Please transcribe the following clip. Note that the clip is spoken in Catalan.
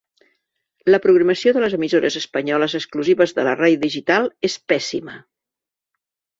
La programació de les emissores espanyoles exclusives de la ràdio digital és pèssima.